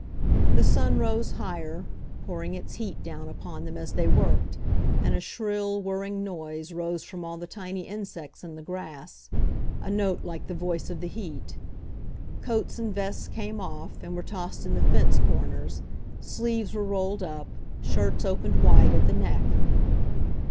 The sun ros^ higher, pouring its heat down upon them as they worked, and a shrill, whirring noise rose from all the tiny insects in the grass, a note like the voice of the heat. Coats and vests came off, and were tossed in the fence cor ners; sleeves were rolled up, shirts opened wide at the neck.